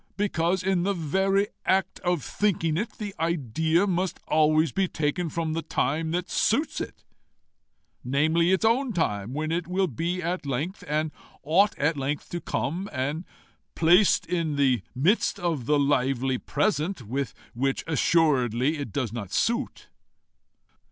Because, in the very act of thinking it, the idea must always be taken from the time that suits with it namely, its own time, when it will at length, and ought at length to come and placed in the midst of the lively present, with which assuredly it does not suit.